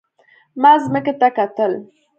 ما ځمکې ته کتل.